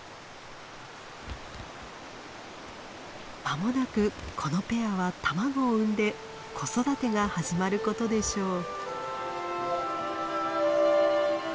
まもなくこのペアは卵を産んで子育てが始まることでしょう。